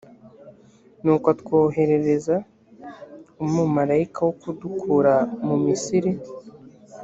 nuko atwoherereza umumalayika wo kudukura mu misiri.